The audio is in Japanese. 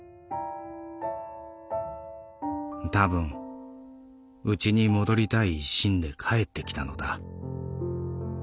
たぶんうちに戻りたい一心で帰ってきたのだ。